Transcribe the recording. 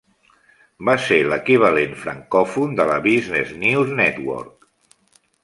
Va ser l'equivalent francòfon de la Business News Network.